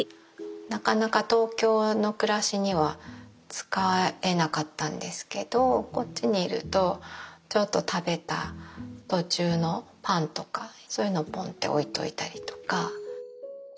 なかなか東京の暮らしには使えなかったんですけどこっちにいるとちょっと食べた途中のパンとかそういうのをポンと置いといたりとか。